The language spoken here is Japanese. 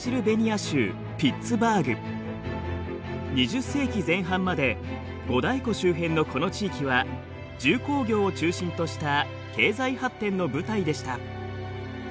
２０世紀前半まで五大湖周辺のこの地域は重工業を中心とした経済発展の舞台でした。